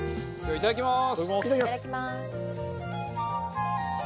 いただきます。